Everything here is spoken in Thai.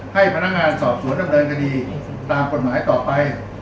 ให้พนักงานสอบสวนดำเนินคดีตามกฎหมายต่อไป